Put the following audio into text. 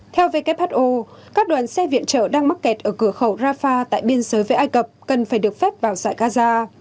theo who các đoàn xe viện trợ đang mắc kẹt ở cửa khẩu rafah tại biên giới với ai cập cần phải được phép vào giải gaza